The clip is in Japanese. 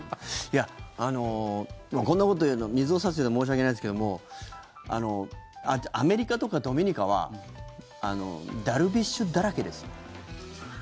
こんなこと言うの水を差すようで申し訳ないんですけどもアメリカとかドミニカはダルビッシュだらけですよ。